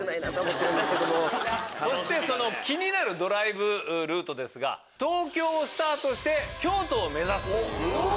そして気になるドライブルートですが東京をスタートして京都を目指すという。